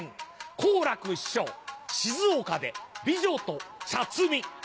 「好楽師匠静岡で美女と茶摘み」。